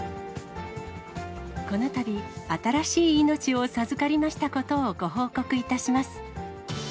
このたび、新しい命を授かりましたことをご報告いたします。